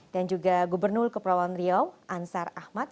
dan juga gubernur kepulauan riau ansar ahmad